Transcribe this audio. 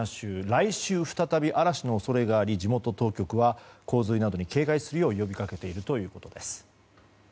来週、再び嵐の恐れがあり地元当局は洪水などに警戒するよう呼び掛けているということです。